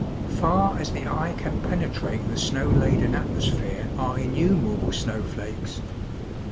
Far as the eye can penetrate the snow laden atmosphere are innumerable snowflakes.